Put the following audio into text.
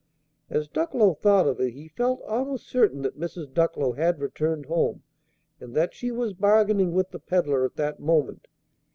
As Ducklow thought of it, he felt almost certain that Mrs. Ducklow had returned home, and that she was bargaining with the peddler at that moment.